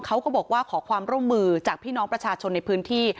เขาก็บอกว่าขอความร่วมมือจากพี่น้องประชาชนในพื้นที่